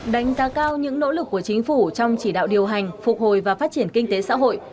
đánh giá cao những nỗ lực của chính phủ trong chỉ đạo điều hành phục hồi và phát triển kinh tế xã hội